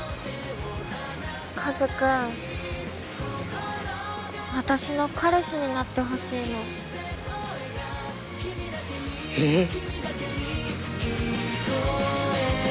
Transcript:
和くん私の彼氏になってほしいのえっ？